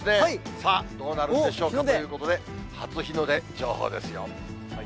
さあ、どうなるんでしょうかということで初日の出情報ですよ。